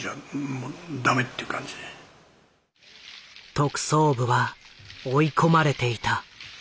特捜部は追い込まれていた。